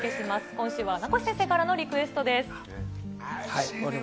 今週は名越先生からのリクエストです。